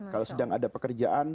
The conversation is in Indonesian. kalau sedang ada pekerjaan